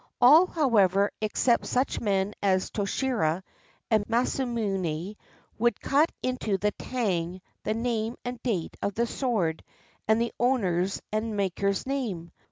All, however, except such men as Toshiro and Masamune, would cut into the tang the name and date of the sword and the owner's and maker's name.